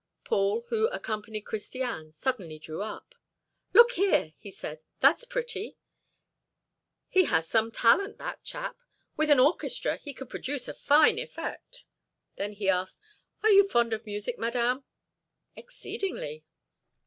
Paul, who accompanied Christiane, suddenly drew up: "Look here!" said he, "that's pretty! He has some talent, that chap! With an orchestra, he could produce a fine effect." Then he asked: "Are you fond of music, Madame?" "Exceedingly."